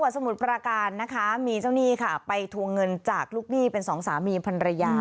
สมุทรประการนะคะมีเจ้าหนี้ค่ะไปทวงเงินจากลูกหนี้เป็นสองสามีพันรยา